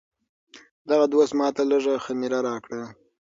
دغه دوست ماته لږه خمیره راکړه.